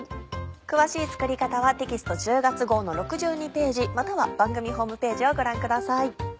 詳しい作り方はテキスト１０月号の６２ページまたは番組ホームページをご覧ください。